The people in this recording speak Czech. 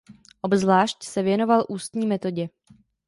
Obzvlášť se věnoval "Ústní Metodě".